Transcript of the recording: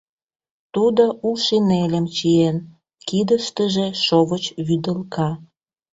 Тудо у шинельым чиен, кидыштыже — шовыч вӱдылка.